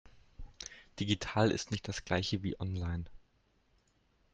Digital ist nicht das Gleiche wie online.